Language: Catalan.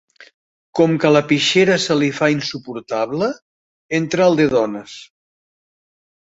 Com que la pixera se li fa insuportable, entra al de dones.